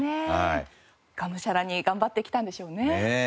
がむしゃらに頑張ってきたんでしょうね。